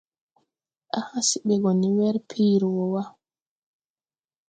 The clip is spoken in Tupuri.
Á hã see ɓe gɔ ne wɛrpiri wɔ wà..